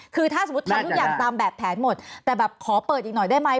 คือถ้าสมมุติทำทุกอย่างตามแบบแผนหมดแต่แบบขอเปิดอีกหน่อยได้ไหม